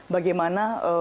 peran peran yang tersebut